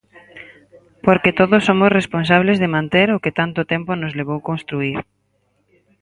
Porque todos somos responsables de manter o que tanto tempo nos levou construír.